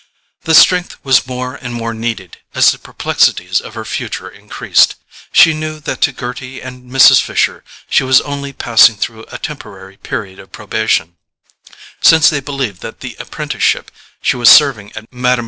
The strength was more and more needed as the perplexities of her future increased. She knew that to Gerty and Mrs. Fisher she was only passing through a temporary period of probation, since they believed that the apprenticeship she was serving at Mme.